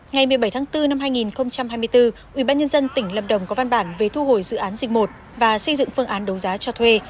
ngày một mươi bảy tháng bốn năm hai nghìn hai mươi bốn ubnd tỉnh lâm đồng có văn bản về thu hồi dự án dinh một và xây dựng phương án đấu giá cho thuê